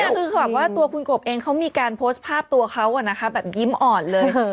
คือเขาบอกว่าตัวคุณกบเองเขามีการโพสต์ภาพตัวเขาแบบยิ้มอ่อนเลย